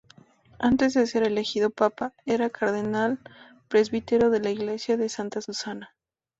Antes de ser elegido papa era cardenal presbítero de la iglesia de Santa Susana.